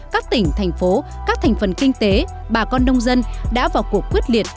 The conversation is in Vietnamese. các tỉnh thành phố các thành phần kinh tế bà con nông dân đã vào cuộc quyết liệt